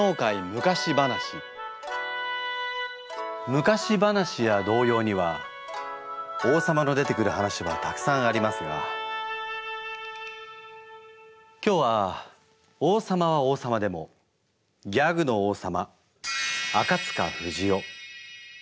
昔話や童謡には王さまの出てくる話はたくさんありますが今日は王さまは王さまでもギャグの王さまあかつかふじお。